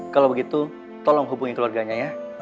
kalau begitu tolong hubungi keluarganya ya